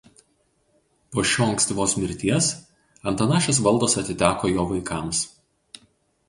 Po šio ankstyvos mirties Antanašės valdos atiteko jo vaikams.